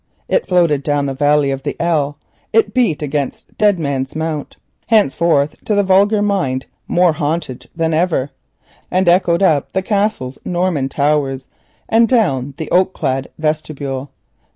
It floated down the valley of the Ell, it beat against Dead Man's Mount (henceforth to the vulgar mind more haunted than ever), it echoed up the Castle's Norman towers and down the oak clad vestibule.